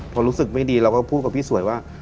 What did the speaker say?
พอรู้สึกไม่ดีเราก็พูดกับพี่สวยว่า